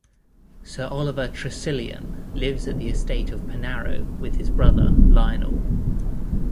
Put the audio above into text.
Sir Oliver Tressilian lives at the estate of Penarrow with his brother, Lionel.